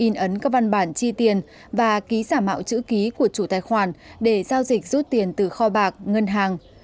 in ấn các văn bản chi tiền và ký giả mạo chữ ký của chủ tài khoản để giao dịch rút tiền từ kho bạc ngân hàng